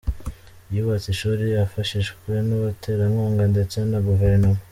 Yubatse ishuri afashishwe n'abaterankunga ndetse na guverinoma.